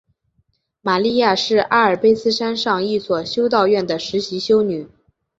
玛莉亚是阿尔卑斯山上一所修道院的实习修女。